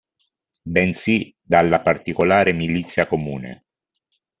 Bensì dalla particolare milizia comune.